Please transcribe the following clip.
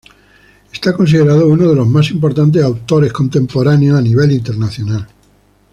Está considerado uno de los más importantes autores contemporáneos a nivel internacional.